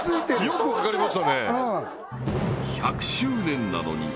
よくわかりましたね